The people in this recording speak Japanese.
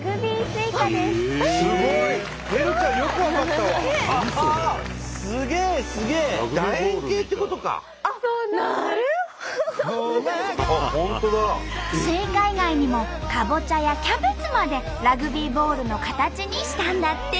スイカ以外にもカボチャやキャベツまでラグビーボールの形にしたんだって。